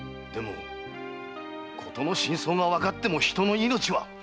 でもことの真相がわかっても人の命は！